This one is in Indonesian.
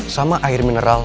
sama air mineral